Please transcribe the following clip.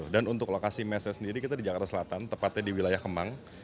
dan untuk lokasi mesnya sendiri kita di jakarta selatan tepatnya di wilayah kemang